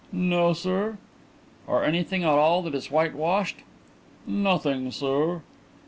"No, sir." "Or anything at all that is whitewashed?" "Nothing, sir."